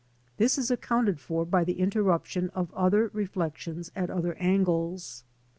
This is accounted for by the interruption of other reflections at other angles.